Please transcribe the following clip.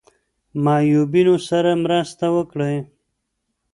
معیوبینو سره مرسته وکړئ.